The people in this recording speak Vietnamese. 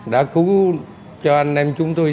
đã cứu cho anh em chúng tôi